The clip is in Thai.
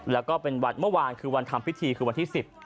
แล้วก็เป็นวันเมื่อวานคือวันทำพิธีคือวันที่๑๐